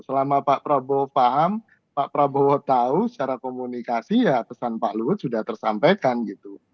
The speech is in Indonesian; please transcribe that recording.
selama pak prabowo paham pak prabowo tahu secara komunikasi ya pesan pak luhut sudah tersampaikan gitu